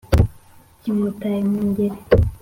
kimutaye mu ngeri.